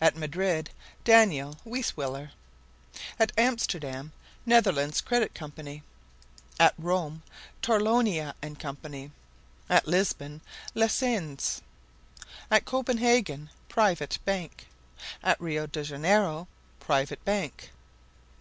At Madrid, Daniel Weisweller. At Amsterdam, Netherlands Credit Co. At Rome, Torlonia and Co. At Lisbon, Lecesne. At Copenhagen, Private Bank. At Rio de Janeiro, Private Bank.